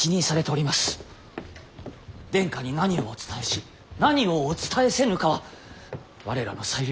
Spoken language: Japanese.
殿下に何をお伝えし何をお伝えせぬかは我らの裁量。